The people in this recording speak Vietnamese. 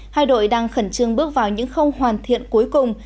hai đội đang khẩn trương bước vào những không hoàn thiện cuối cùng